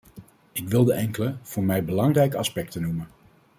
Ik wilde enkele, voor mij belangrijke aspecten noemen.